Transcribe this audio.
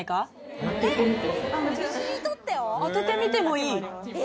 「あててみてもいい？」。